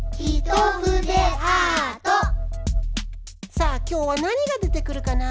さあきょうはなにがでてくるかな？